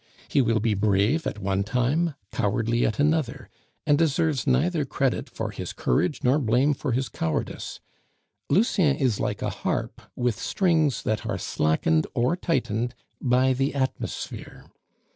He will be brave at one time, cowardly at another, and deserves neither credit for his courage, nor blame for his cowardice. Lucien is like a harp with strings that are slackened or tightened by the atmosphere.